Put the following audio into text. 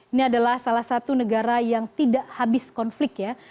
ini adalah salah satu negara yang tidak habis konflik ya